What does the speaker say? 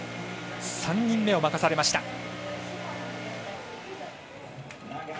３人目を任されました。